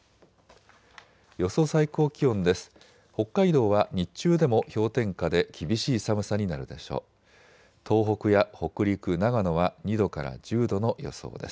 予想最高気温です。